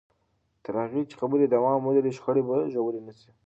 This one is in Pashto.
تر هغه چې خبرې دوام ولري، شخړې به ژورې نه شي.